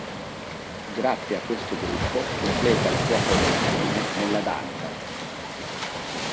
Grazie a questo gruppo completa la sua formazione nella danza.